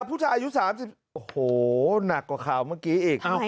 ผู้ชายอายุ๓๐โอ้โหหนักกว่าข่าวเมื่อกี้อีก